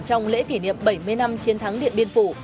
trong lễ kỷ niệm bảy mươi năm chiến thắng điện biên phủ